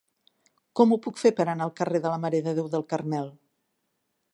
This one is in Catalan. Com ho puc fer per anar al carrer de la Mare de Déu del Carmel?